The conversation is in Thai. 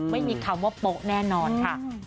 ไม่มีคำว่าโป๊ะแน่นอนค่ะ